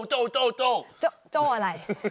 โจ้อะไร